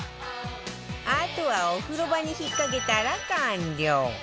あとはお風呂場に引っかけたら完了